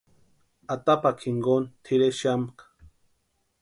Atapakwa jinkoni tʼirexamka.